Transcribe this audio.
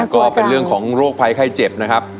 ก็เป็นเรื่องของโรคภัยไข้เจ็บ